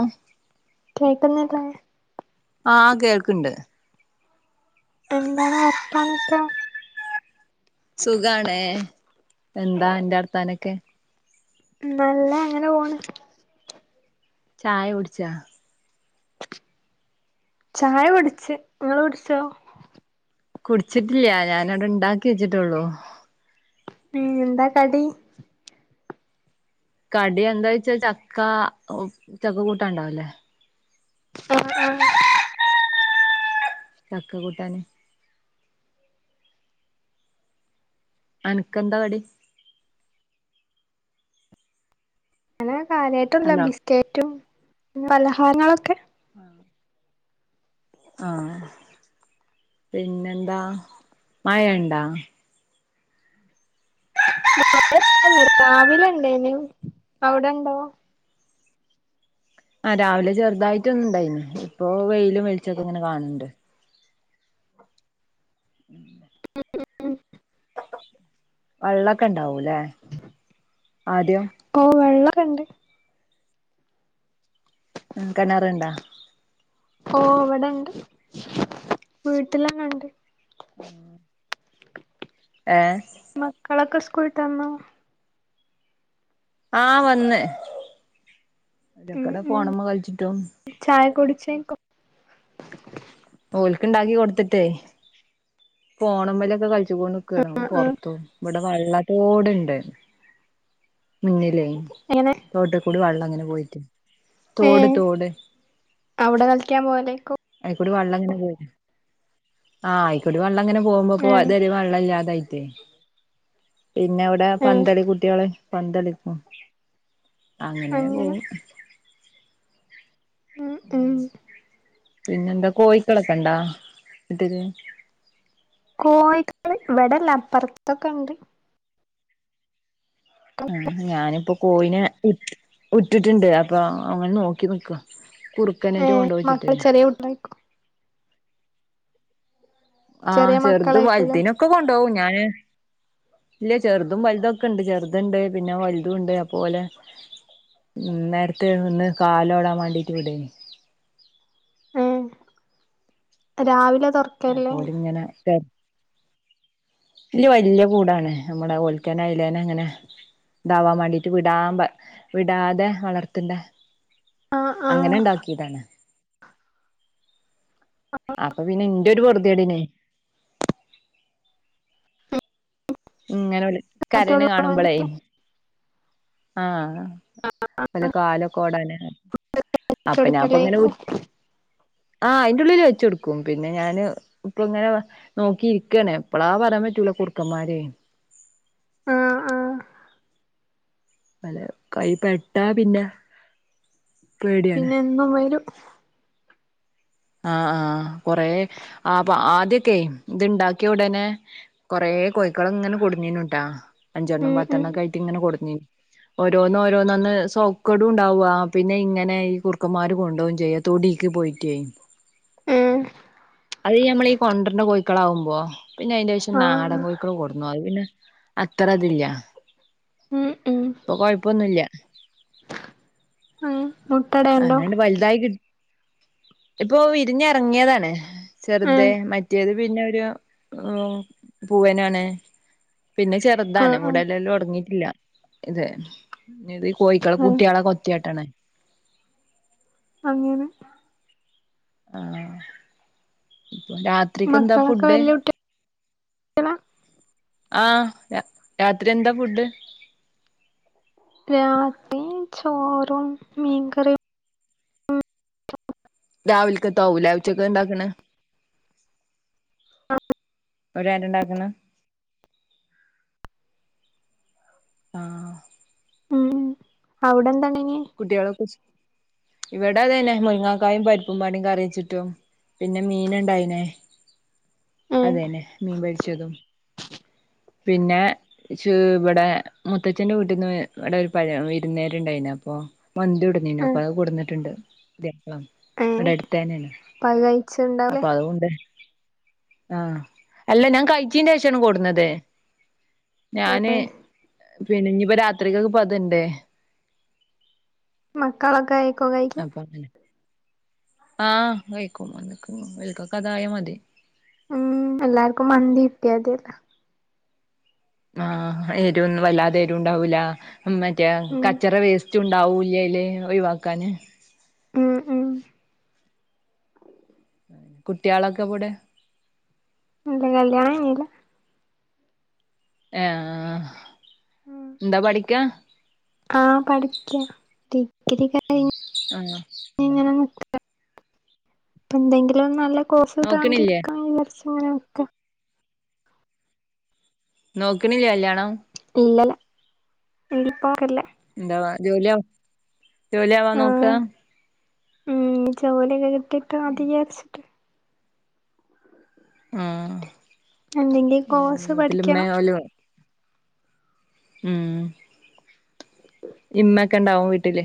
അം. കേൾക്കുന്നില്ലേ. ആഹ് കേൾക്കിണ്ട്. എന്താണ് വർത്താനൊക്കെ. സുഖാണെ എന്താ അന്റെ വർത്താനൊക്കെ. നല്ല അങ്ങനെ പോണ് ചായുട്ച്ചാ? ചായ കുട്ച്ച് നിങ്ങള് കുടിച്ചോ? കുടിച്ചിട്ടില്ല ഞാനവിടെ ഇണ്ടാക്കി വെച്ചിട്ടുള്ളൂ. ഉം എന്താ കടി? കടി എന്താ വെച്ചാ ചക്ക ഏഹ് ചക്ക കൂട്ടാൻ ഉണ്ടാവൂലെ? അഹ് ആഹ്. ചക്ക കൂട്ടാന്. അനക്കെന്താ കടി? അങ്ങനെ കാര്യമായിട്ടുല്ല അല്ലോ ബിസ്ക്കറ്റും പലഹാരങ്ങളൊക്കെ ആഹ് ആഹ് പിന്നെന്താ മഴ ഇണ്ടാ? മഴല്ല രാവില ഉണ്ടേന് അവിടെണ്ടോ? ആഹ് രാവിലെ ചെറുതായിട്ട് ഒന്ന് ഇണ്ടായിന് ഇപ്പോ വെയിലും വെളിച്ചൊക്കെ ഇങ്ങനെ കാണിണ്ട്. ഉം ഉം ഉം ഉം. വെള്ളോക്കെ ഉണ്ടാവൂല്ലേ ആദ്യം. ഓ വെള്ളൊക്കെ ഇണ്ട്? ഉം കെനറുണ്ടാ? ഓ ഇവിടെണ്ട് വീട്ടിലന്നെ ഇണ്ട്. ഉം. ഏഹ്. മക്കളൊക്കെ സ്കൂളിട്ടന്നോ? ആഹ് വന്ന് ഉം അയ്ന്റിക്കൂടെ ഉം ഫോണിമ്മെ കളിച്ചിട്ടും ചായ കുടിച്ചേഞ്ഞിട്ടും. ഓൽക്കിണ്ടാക്കി കൊടുത്തിട്ടേ. ഫോണുമ്മലൊക്കെ കളിച്ച് കൊണ്ട് നിക്കെനു ആഹ് ആഹ് പുറത്തും ഇവിടെ വെള്ളറ്റോടുണ്ട് മുന്നില്. എങ്ങനെ? തോട്ട്ക്കൂടി വള്ളം ഇങ്ങനെ പോയിട്ട് തോട് ഏഹ് തോട്. അവിടെ കളിക്കാൻ പോവലേയ്ക്കും. അയിക്കൂടി വെള്ളം ങ്ങനെ പോരും ആഹ് ആയിക്കോടി വെള്ളം അങ്ങനെ പോകുമ്പോ പ്പം ഏഹ് അതരെ വെള്ളം ഇല്ലാതായിട്ടേ പിന്നെ ഇവിടെ ഏഹ് പന്തളി കുട്ടികള് പന്തളിക്കും അങ്ങനെ പോം ഉം ഉം പിന്നെന്താ കോഴിക്കളൊക്കെ ഇണ്ടാ ഇട്ടര് കോഴിക്കൾ ഇവിടെല്ല അപ്പുറത്തൊക്കെ ഉണ്ട് ആഹ് ഞാനിപ്പോ കോയിനെ ഉറ്റിട്ടുണ്ട് അപ്പൊ അങ്ങനെ നോക്കി നക്കോ ഏ കുറുക്കനെറ്റോ കൊണ്ടോ വൃച്ചിട്ട് [unintelligible] ആഹ് ചെറിയ ചെറുത് മക്കളായിക്കൂലേ വലുതിനൊക്കെ കൊണ്ടോവും ഞാന് ഇല്ല ചെറുതും വലുതും ഒക്കെ ഇണ്ട് ചെറുത്ണ്ട് പിന്നെ വലുതും ഇണ്ട് അപ്പോ ഓലെ മ്മ് നേരത്തെ ഒന്ന് കാലോടാൻ വേണ്ടീട്ട് വിടേനു ഏഹ് രാവിലെ തൊറ ഓലിങ്ങനെ [unintelligible] ഈല് വല്ല്യ കൂടാണ് നമ്മുടെ ഓൽക്കനെ അയിലേനെ അങ്ങനെ ഇതാവാന് വേണ്ടിട്ട് വിടാൻ വിടാതെ വളർത്തണ്ടേ ആ ആ അങ്ങനെ ഇണ്ടാക്കിയതാണ് ആഹ് അപ്പൊ പിന്നെ ന്റെ ഒരു പൊറതിയടിന് ഇങ്ങനോല് കരയണ മറ്റുള്ളവർക്ക് വേണ്ടി കാണുമ്പോള് ആഹ് പിന്നെ കാലൊക്കോടാന് ഇട്ട് അപ്പം ഞാന്പ്പൊ ഇങ്ങനെ കൊടുക്കലായിക്കും വിട്ട് ആഹ് അയിന്റുള്ളില് വെച്ച് കൊട്ക്കും പിന്നെ ഞാന് ഇപ്പം ഇങ്ങനെ നോക്കിയിരിക്കണ് എപ്പളാ പറയാൻ പറ്റൂല കുറുക്കന്മാര് ആ ആ അല്ല കൈ പെട്ട പിന്നെ പേടിയാണ് പിന്നെ എന്നും വരു ആഹ് ആഹ് കൊറെ ആപ്പ ആദ്യൊക്കെ ഇത്ണ്ടാക്കിയ ഉടനെ കൊറേ കോഴിക്കള് ഇങ്ങനെ കൊടുന്നീനുട്ടാ അഞ്ചെണ്ണം ഉം ഉം പത്തെണ്ണം ഒക്കെ ആയിട്ട് ഇങ്ങനെ കൊടുന്നീന് ഓരോന്ന് ഓരോന്ന് അന്ന്സൗക്കടു ണ്ടാവുവ പിന്നെ ഇങ്ങനെ ഈ കുറുക്കന്മാര് കൊണ്ടോവു ചെയ്യും തൊടീക്ക് പോയിട്ടെ ഏ അത് നമ്മളീ കൊണ്ടറ്ന്ന കോഴിക്കളാകുമ്പോ പിന്നെ അയിന്റെ ശേഷം ആ നാടൻ കോഴിക്കള് കൊടന്നു അത് പിന്നെ അത്ര അതില്ല ഉം ഉം ഇപ്പൊ കൊഴപ്പൊന്ന് ഇല്ല ഉം മുട്ടടയുണ്ടോ അങ്ങനാണ്ട് വലുതായി കിട്ടി ഇപ്പൊ വിരിഞ്ഞ് ഇറങ്ങിയതാണ് ഏ ചെറുതെ മറ്റേത് പിന്നെ ഒരു ഓഹ് പൂവനാണ് പിന്നെ ആ ചെറുതാണ് ആ മൂടല്ലല്ലും ഒടങ്ങിട്ടില്ല ഇതെ ഇത് കോഴിക്കള ആ കുട്ടികളെ കൊത്തിയാട്ടാണ് അങ്ങനെ ആഹ് ഇപ്പോ രാത്രിക്ക് എന്താ മക്കളൊക്കെ ഫുഡ് വല്യ കുട്ടികളാ ആഹ് രാ രാത്രി എന്താ ഫുഡ് രാത്രി ചോറും മീൻകറിയും രാവില്ക്കത്താവൂലെ ഉച്ചക്കെ ഇണ്ടാക്കണെ ഒരാര് ഇണ്ടാക്കണ് ആഹ് അവിട എന്താണ് എനി കുട്ടികൾ സ്ക്ക ഇവിടെ അതന്നെ മുരിങ്ങാക്കായും പരിപ്പും പാടിയും കറി വെച്ചിട്ടോ പിന്നെ മീൻ ഇണ്ടായിനെ ഏ അതന്നെ മീൻ പൊരിച്ചതും പിന്നെ ജ്ജ് ഇവിടെ മുത്തച്ഛന്റെ വീട്ടിന്ന് ഇവിട ഒരു പഴയ വിരുന്ന്ക്കാര് ഇണ്ടായിന് അപ്പൊ മന്തി കൊടുന്നേനു അപ്പ ആഹ് അത് കൊടന്നിട്ടുണ്ട് വെക്കളാണ് ഏഹ് ഇവിടെ അടുത്തന്നെയാണ് അപ്പ അത് കഴിച്ചുണ്ടാവൂലേ അപ്പൊ അതുണ്ട് ആഹ് അല്ല ഞാൻ കയ്ച്ചീന്റെ ശേഷാണ് കൊടുന്നത് ഞാന് പിന്നെ ഇനിയിപ്പോ രാത്രികൊക്കെ ഇപ്പ അതിണ്ട് മക്കളൊക്കെ കയിക്കോ കയില് അപ്പൊ അങ്ങനെ ആഹ് കഴിക്കും മക്കൾകൊക്കെ അതായ മതി മ്മ് എല്ലാർക്കും മന്തി കിട്ടിയ മതിയല്ലോ ആഹ് എരു ഒന്നും വല്ലാതെ എരുണ്ടാവൂല മറ്റേ ഉം കച്ചറ വേസ് റ്റും ഉണ്ടാവൂല്ലയ്ല് ഒഴിവാക്കാന് ഉം ഉം കുട്ടിയാളക്കെ എവ്ടെ ഇല്ല കല്യാണം കേയ്നില്ലാ ഏഹ് ആഹ് എന്താ പഠിക്കാ ആഹ് പഠിക്ക്യാ ഡിഗ്രി കയ് ആഹ് ഇങ്ങനെ നിക്കാ എന്തെങ്കിലും നല്ല കോസ് കിട്ടാണങ്കി നോക്കണില്ലേ ഇടക്ക അങ്ങന നിക്കാ നോക്ക്ണില്ലേ കല്യാണം ഇല്ലല്ലാ [unintelligible] പ്പോക്ക്ല്ല എന്തവാ ജോലിയ ജോലി ആവാ നോക്കാ ആഹ് ഉം ജോലിക്കെ കിട്ടീട്ട് മതിയിവിയരിച്ചു ആ എന്തെങ്കിലും കോഴ്സ് ഇതില് പഠിക്കണം മ്മേവലും ഉം [inaudible] ഇമ്മക്കെണ്ടാവും വീട്ടില്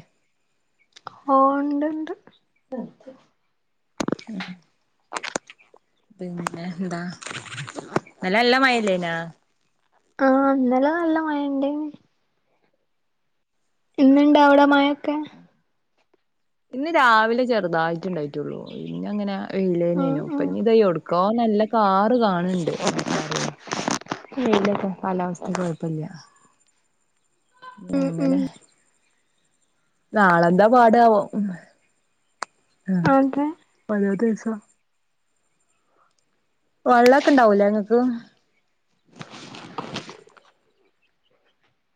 ഓ ഇണ്ട് ഇണ്ട് പിന്നെ എന്താ നല്ല നല്ല മഴല്ലേനാ ആഹ് ഇന്നലെല്ല നല്ല മയണ്ടേനു ഇന്ന്ണ്ടാ അവ്ടെ മയക്കെ ഇന്ന് രാവിലെ ചെറ്തായിട്ട് ഇണ്ടായിട്ടോള്ളൂ പിന്നെങ്ങനെ ഉം വയ്ലേനേനു ഉം ഇപ്പനിദാ എവ്ട്ക്കോ നല്ല കാറ് കാണണ്ട് വെയ്ലാപ്പോ കാലാവസ്ഥ കൊഴ്പ്പല്ല്യ ന്ന ഉം ഉം അങ്ങനെ നാളെന്താ പാടവോ ആഹ് അതെ പതിനൊന്നീസം വള്ളക്കെ ഇണ്ടാവൂലേ ഇങ്ങക്ക് [inaudible]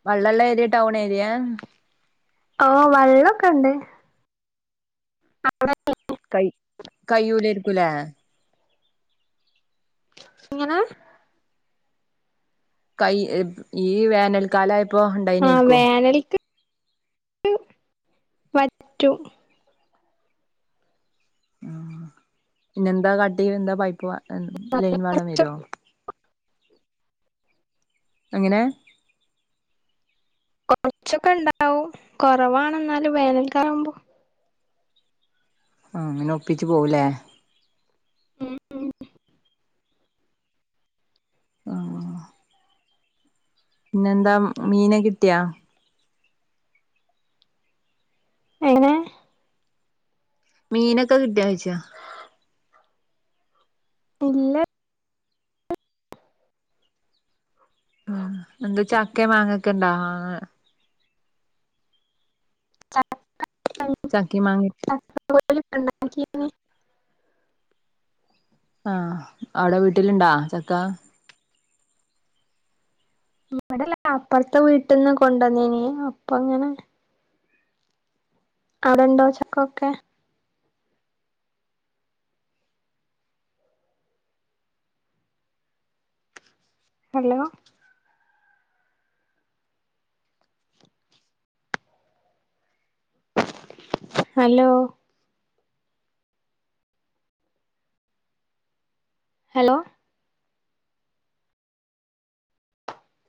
വള്ളല്ലേ ഏരിയെ ടൗൺ ഏരിയെ ഓഹ് വള്ളക്കെണ്ട് [unintelligible] കൈ കയ്യൂലേര്ക്കൂലെ എങ്ങന കൈ ഈ വേനൽ കാലായപ്പോ ഇണ്ടാ ആഹ് വേനൽക്ക് ക്ക് വറ്റും ആഹ് പിന്നെന്താ കാട്ടി എന്താ പൈപ്പ് വ ലൈൻ വെള്ളം കൊറച്ച് വരോ എങ്ങനെ കൊറച്ചൊക്കെ ഇണ്ടാവും കൊറവാണെന്നാലും വേനൽക്കാവുമ്പോ ആഹ് അങ്ങനെ ഒപ്പിച്ച് പോവുല്ലേ ഉം മ്ഹ് ആഹ് പിന്നെന്താ മീന് കിട്ടിയാ എങ്ങനെ മീനൊക്കെ കിട്ടിയാ ചോയ്ച്ചാ ഇല്ല ആഹ് എന്ത്‌ ചക്കേ മാങ്ങേക്ക ഇണ്ടാ മാങ്ങ ചക്ക ചാക്കേം മാങ്ങേം [unintelligible] [unintelligible] ആഹ് അവിടെ വീട്ടിലുണ്ടാ ചക്ക ഇവടല്ല അപ്പറത്തെ വീട്ട്ന്ന് കൊണ്ടു വന്നേന് അപ്പ അങ്ങനെ അടെണ്ടോ ചക്കൊക്കെ ഹലോ ഹലോ ഹലോ